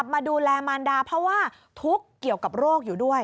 มาดูแลมารดาเพราะว่าทุกข์เกี่ยวกับโรคอยู่ด้วย